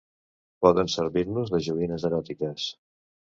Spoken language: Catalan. Poden servir-nos de joguines eròtiques.